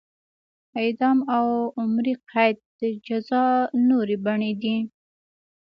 اعدام او عمري قید د جزا نورې بڼې دي.